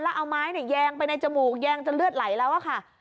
แล้วเอาไม้แยงไปในจมูกแยงจนเลือดไหลแล้วอะค่ะ